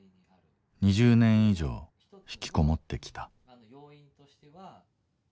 ２０年以上ひきこもってきた。